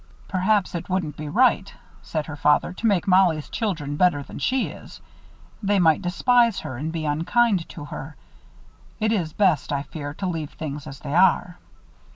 "Perhaps it wouldn't be right," said her father, "to make Mollie's children better than she is. They might despise her and be unkind to her. It is best, I fear, to leave things as they are."